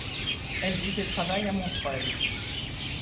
Elle vit et travaille à Montreuil.